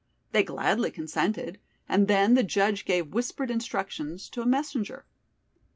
They gladly consented, and then the judge gave whispered instructions to a messenger.